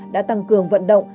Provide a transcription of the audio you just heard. đã tăng cường vận động